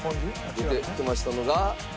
出てきましたのが。